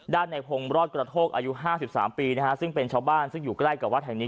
ในพงศ์รอดกระโทกอายุ๕๓ปีนะฮะซึ่งเป็นชาวบ้านซึ่งอยู่ใกล้กับวัดแห่งนี้